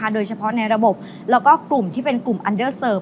โดยเฉพาะในระบบแล้วก็กลุ่มที่เป็นกลุ่มอันเดอร์เสิร์ฟ